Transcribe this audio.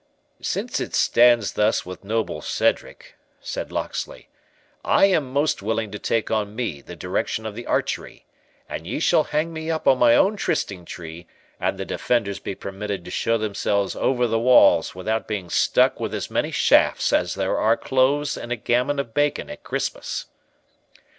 "Since it stands thus with noble Cedric," said Locksley, "I am most willing to take on me the direction of the archery; and ye shall hang me up on my own Trysting tree, an the defenders be permitted to show themselves over the walls without being stuck with as many shafts as there are cloves in a gammon of bacon at Christmas."